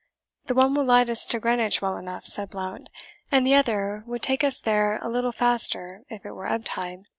"The one will light us to Greenwich well enough," said Blount, "and the other would take us there a little faster if it were ebb tide."